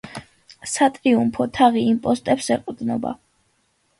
სატრიუმფო თაღი იმპოსტებს ეყრდნობა.